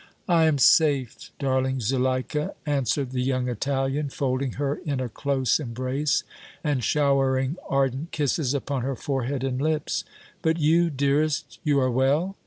"I am safe, darling Zuleika," answered the young Italian, folding her in a close embrace and showering ardent kisses upon her forehead and lips. "But you, dearest, you are well?